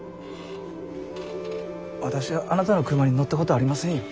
私はあなたの車に乗ったことありませんよ。